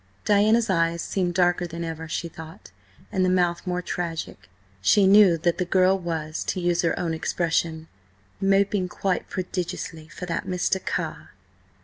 Diana's eyes seemed darker than ever, she thought, and the mouth more tragic. She knew that the girl was, to use her own expression, "moping quite prodigiously for that Mr. Carr."